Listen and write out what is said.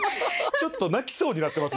ちょっと泣きそうになってます